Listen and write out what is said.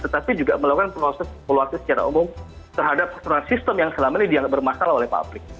tetapi juga melakukan proses evaluasi secara umum terhadap persoalan sistem yang selama ini dianggap bermasalah oleh publik